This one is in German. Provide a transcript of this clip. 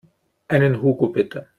Einen Hugo bitte.